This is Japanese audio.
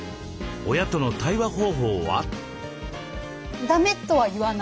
親との対話方法は？